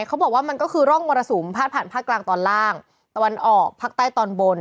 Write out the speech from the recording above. เขาบอกว่ามันก็คือร่องมรสุมพาดผ่านภาคกลางตอนล่างตะวันออกภาคใต้ตอนบน